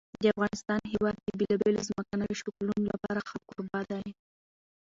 د افغانستان هېواد د بېلابېلو ځمکنیو شکلونو لپاره ښه کوربه دی.